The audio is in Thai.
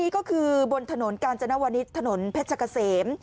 ก็คือบนถนนกาญจนวนิษฐ์ถนนเพชรเกษม